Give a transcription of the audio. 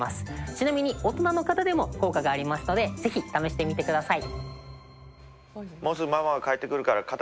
ちなみに大人の方でも効果がありますので是非試してみてください。